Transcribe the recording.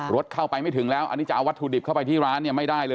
รถเข้าไปไม่ถึงแล้วอันนี้จะเอาวัตถุดิบเข้าไปที่ร้านเนี่ยไม่ได้เลย